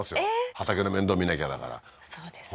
畑の面倒見なきゃだからそうですね